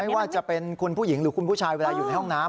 ว่าจะเป็นคุณผู้หญิงหรือคุณผู้ชายเวลาอยู่ในห้องน้ำ